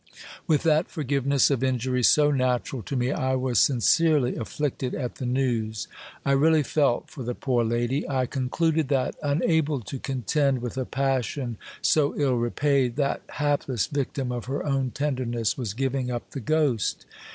With that forgiveness of injuries so natural to me, I was sincerely afflicted at the news. I really felt for the poor lady. I con cluded that, unable to contend with a passion so ill repaid, that hapless victim of her own tenderness was giving up the ghost.